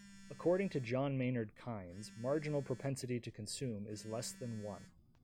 According to John Maynard Keynes, marginal propensity to consume is less than one.